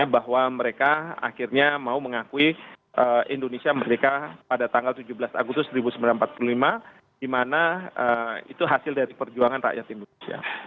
bahwa mereka akhirnya mau mengakui indonesia merdeka pada tanggal tujuh belas agustus seribu sembilan ratus empat puluh lima di mana itu hasil dari perjuangan rakyat indonesia